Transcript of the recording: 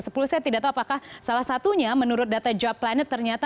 saya tidak tahu apakah salah satunya menurut data job planet ternyata